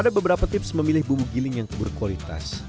ada beberapa tips memilih bumbu giling yang berkualitas